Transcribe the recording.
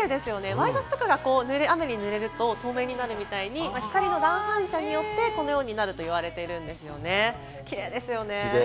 ワイシャツとかが雨にぬれると透明になるみたいに、光の乱反射によって、このようになると言われているんですよね、キレイですよね。